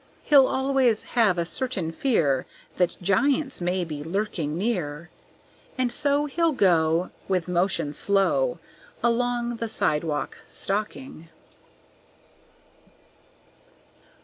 He'll always have a certain fear That giants may be lurking near, And so he'll go With motion slow Along the sidewalk stalking.